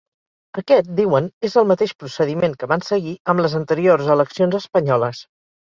Aquest, diuen, és el mateix procediment que van seguir amb les anteriors eleccions espanyoles.